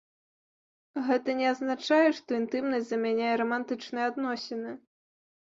Гэта не азначае, што інтымнасць замяняе рамантычныя адносіны.